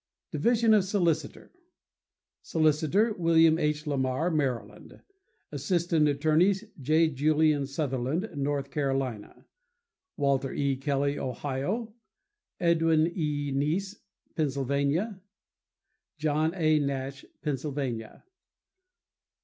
Division of Solicitor.— Solicitor.—William H. Lamar, Maryland. Assistant Attorneys.—J. Julien Southerland, North Carolina. Walter E. Kelly, Ohio. Edwin A. Niess, Pennsylvania. John A. Nash, Pennsylvania.